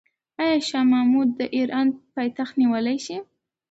آیا شاه محمود د ایران پایتخت نیولی شي؟